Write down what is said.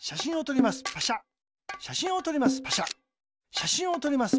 しゃしんをとります。